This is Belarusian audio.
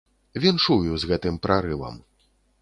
Віншую з гэтым прарывам.